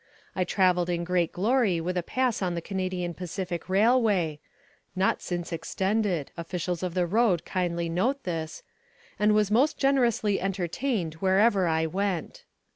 I travelled in great glory with a pass on the Canadian Pacific Railway (not since extended: officials of the road kindly note this) and was most generously entertained wherever I went.